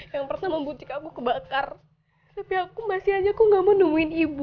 yang pertama butik aku kebakar tapi aku masih aja aku nggak mau nemuin ibu